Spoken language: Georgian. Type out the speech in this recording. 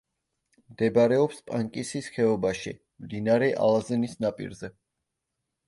მდებარეობს პანკისის ხეობაში, მდინარე ალაზნის ნაპირზე.